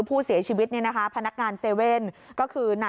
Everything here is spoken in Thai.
ผู้เสียชีวิตนี่นะคะพนักงานเซเว่น